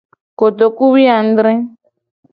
Kotokuwuiadre.